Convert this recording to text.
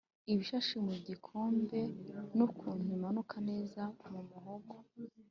ibishashi mu gikombe nukuntu imanuka neza mu muhogo